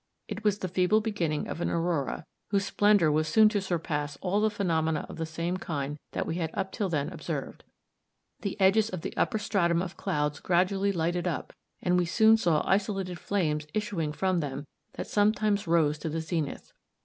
It was the feeble beginning of an aurora, whose splendor was soon to surpass all the phenomena of the same kind that we had up till then observed. The edges of the upper stratum of clouds gradually lighted up, and we soon saw isolated flames issuing from them that sometimes rose to the zenith.